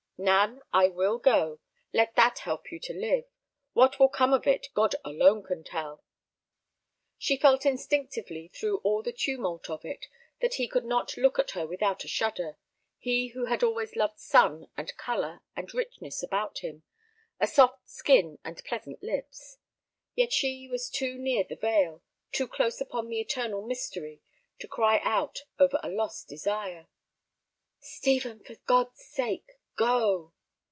"Nan, I will go. Let that help you to live. What will come of it God alone can tell." She felt instinctively through all the tumult of it that he could not look at her without a shudder, he who had always loved sun and color and richness about him—a soft skin and pleasant lips. Yet she was too near the veil, too close upon the eternal mystery, to cry out over a lost desire. "Stephen, for God's sake, go!"